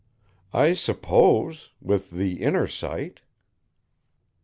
"I suppose with the inner sight."